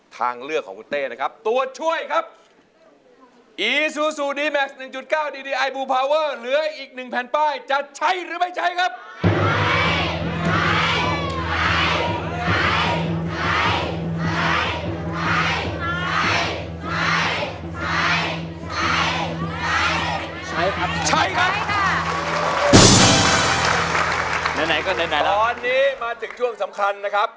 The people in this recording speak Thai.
ภรรยาคนนี้บอกว่า๕ภรรยาคนนี้บอกว่า๓ครับ